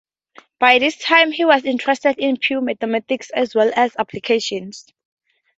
By this time, he was interested in pure mathematics as well as in applications.